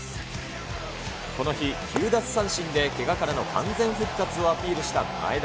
この日、９奪三振でけがからの完全復活をアピールした前田。